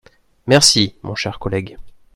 Merci, mon cher collègue.